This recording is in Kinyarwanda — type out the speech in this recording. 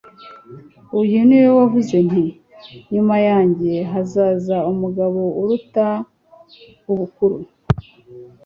Uyu niwe navuze nti : "Nyuma yanjye hazaza umugabo uruduta ubukuru...,